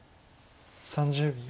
３０秒。